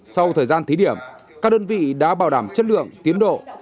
sau thời gian thí điểm các đơn vị đã bảo đảm chất lượng tiến độ